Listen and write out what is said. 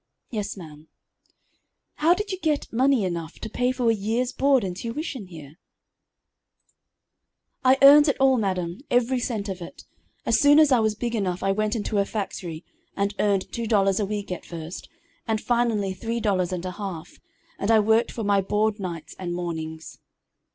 "Yes, ma'am." "How did you get money enough to pay for a year's board and tuition here?" [Illustration: "I used to fix a book open on my loom."] "I earned it all madam, every cent of it. As soon as I was big enough I went into a factory, and earned two dollars a week at first, and finally three dollars and a half; and I worked for my board nights and mornings."